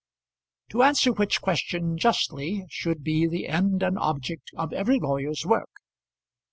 To answer which question justly should be the end and object of every lawyer's work.